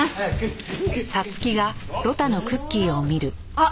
あっ！